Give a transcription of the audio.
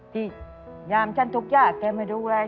ที่ยามฉันทุกอย่างแกมาดูว่าฉัน